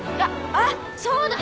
あっそうだ。